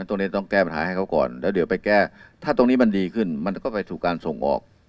ตรงนี้ต้องแก้ปัญหาให้เขาก่อนแล้วเดี๋ยวไปแก้ถ้าตรงนี้มันดีขึ้นมันก็ไปสู่การส่งออก